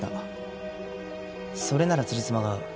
それならつじつまが合う。